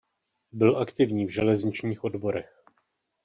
Byl aktivní v železničních odborech.